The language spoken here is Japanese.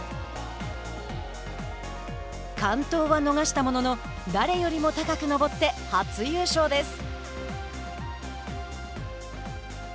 完登は逃したものの誰よりも高く登って初優勝です。